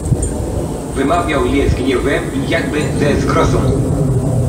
"Wymawiał je z gniewem i jakby ze zgrozą."